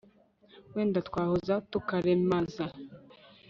wenda twahoza tukaremaza